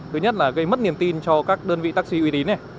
thứ nhất là gây mất niềm tin cho các đơn vị taxi uy tín này